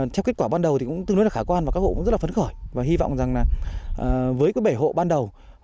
theo kết quả ban đầu thì cũng tương đối là khả quan và các hộ cũng rất là phấn khởi và hy vọng rằng là với bảy hộ ban đầu